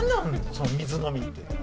その「水飲み」って。